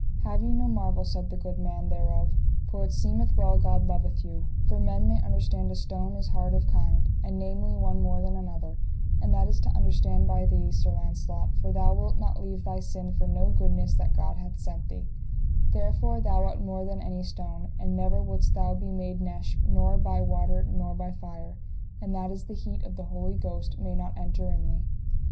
Have ye no marvel, said the good man thereof, for it seemeth well God loveth you; for men may understand a stone is hard of kind, and namely one more than another; and that is to understand by thee, Sir Launcelot, for thou wilt not leave thy sin for no goodness that God hath sent thee; therefore thou art more than any stone, and never wouldst thou be made nesh nor by water nor by fire, and that is the heat of the Holy Ghost may not enter in thee.